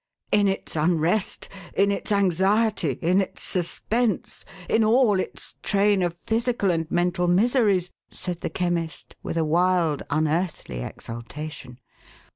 " In its unrest, in its anxiety, in its suspense, in all its train of physical and mental miseries?" said the Chemist, with a wild unearthly exultation.